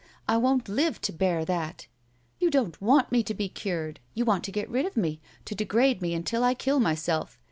I won't live to bear that! You don't want me cured. You want to get rid of me, to degrade me until I kill myself!